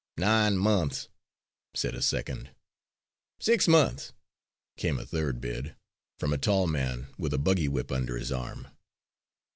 "Nine months," said a second. "Six months," came a third bid, from a tall man with a buggy whip under his arm.